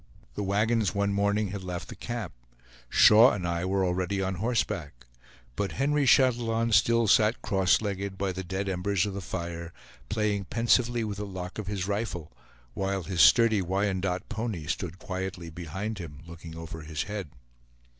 The wagons one morning had left the camp; Shaw and I were already on horseback, but Henry Chatillon still sat cross legged by the dead embers of the fire, playing pensively with the lock of his rifle, while his sturdy Wyandotte pony stood quietly behind him, looking over his head.